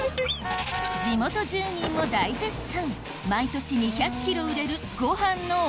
地元住人も大絶賛